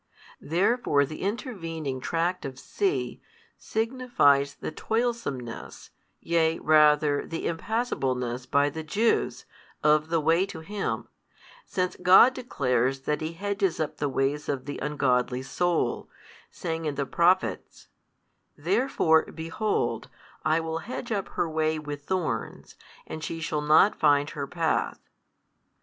Therefore the intervening tract of sea signifies the toilsomeness yea rather the impassableness by the Jews, of the way to Him, since God declares that He hedges up the ways of the ungodly soul, saying in the Prophets, Therefore, behold, I will hedge up her way with thorns, and she shall not find her path.